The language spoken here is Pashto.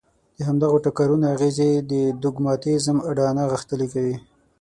د همدغو ټکرونو اغېزې د دوګماتېزم اډانه غښتلې کوي.